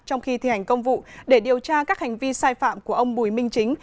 trong khi thi hành công vụ để điều tra các hành vi sai phạm của ông bùi minh chính